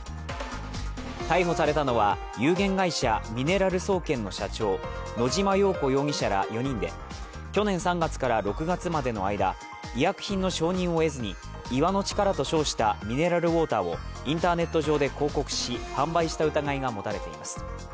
逮捕されたのは有限会社ミネラル総研の社長、野島洋子容疑者ら４人で去年３月から６月までの間、医薬品の承認を得ずに岩の力と称したミネラルウォーターをインターネット上で広告し、販売した疑いが持たれています。